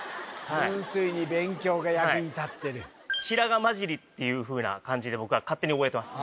純粋に勉強が役に立ってる白髪まじりっていうふうな感じで僕は勝手に覚えてます